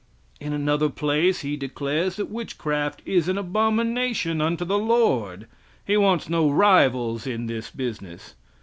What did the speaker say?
In another place he declares that witchcraft is an abomination unto the Lord. He wants no rivals in this business.